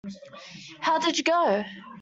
How did you go?